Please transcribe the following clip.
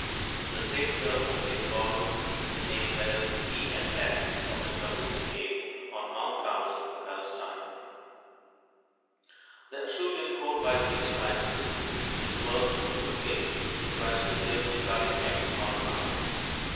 The same terms have been borrowed to name layers E and F in the Tabun cave, on Mount Carmel in Palestine. The Acheulean core biface type of tool is worked on two faces so as to give a cutting edge all around.